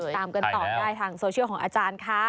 ตามกันต่อได้ทางโซเชียลของอาจารย์ค่ะ